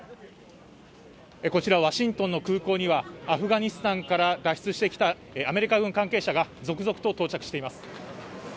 こちら、ワシントンの空港には、アフガニスタンから脱出してきたアメリカ軍関係者が続々と到着しています。